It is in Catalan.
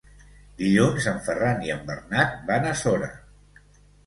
Dilluns en Ferran i en Bernat van a Sora.